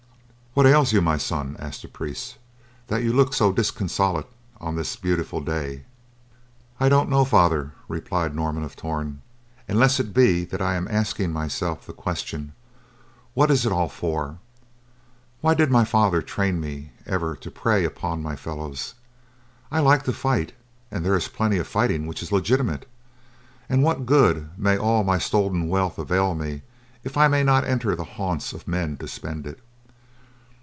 "What ails you, my son?" asked the priest, "that you look so disconsolate on this beautiful day?" "I do not know, Father," replied Norman of Torn, "unless it be that I am asking myself the question, 'What it is all for?' Why did my father train me ever to prey upon my fellows? I like to fight, but there is plenty of fighting which is legitimate, and what good may all my stolen wealth avail me if I may not enter the haunts of men to spend it?